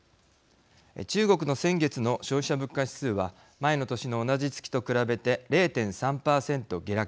中国の先月の消費者物価指数は前の年の同じ月と比べて０．３％下落。